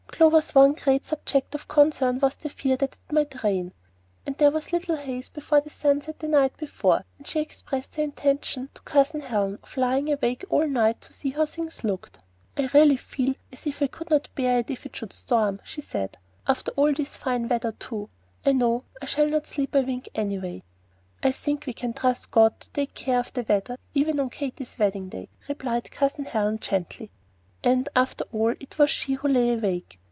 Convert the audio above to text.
Clover's one great subject of concern was the fear that it might rain. There was a little haze about the sunset the night before, and she expressed her intention to Cousin Helen of lying awake all night to see how things looked. "I really feel as if I could not bear it if it should storm," she said, "after all this fine weather too; and I know I shall not sleep a wink, anyway." "I think we can trust God to take care of the weather even on Katy's wedding day," replied Cousin Helen, gently. And after all it was she who lay awake.